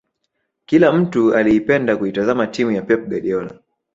Kila mtu aliipenda kuitazama timu ya pep guardiola